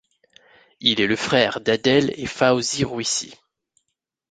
Il est le frère d'Adel et Faouzi Rouissi.